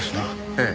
ええ。